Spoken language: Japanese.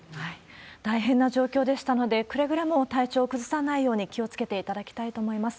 大変な状況でしたので、くれぐれも体調崩さないように気をつけていただきたいと思います。